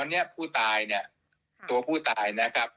ตอนนี้ผู้ตายตัวผู้ตาย